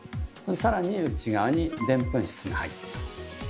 更に内側にでんぷん質が入ってます。